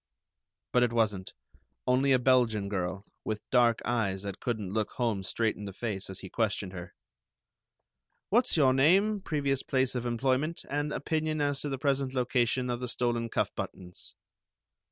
But it wasn't; only a Belgian girl, with dark eyes that couldn't look Holmes straight in the face as he questioned her. "What's your name, previous place of employment, and opinion as to the present location of the stolen cuff buttons?"